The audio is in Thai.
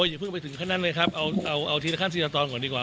อย่าเพิ่งไปถึงขั้นนั้นเลยครับเอาทีละขั้นทีละตอนก่อนดีกว่า